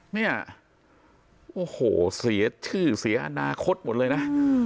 เนี่ยโอ้โหเสียชื่อเสียอนาคตหมดเลยนะ